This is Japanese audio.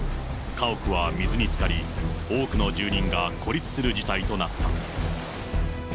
家屋は水につかり、多くの住人が孤立する事態となった。